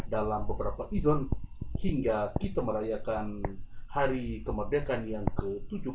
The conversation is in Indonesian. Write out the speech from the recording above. dalam beberapa event hingga kita merayakan hari kemerdekaan yang ke tujuh puluh dua